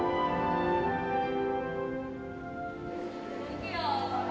いくよ。